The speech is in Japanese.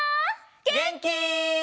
げんき？